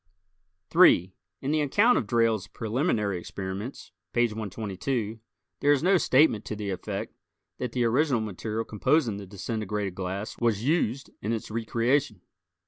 3 In the account of Drayle's preliminary experiments (page 122) there is no statement to the effect that the original material composing the disintegrated glass was used in its recreation.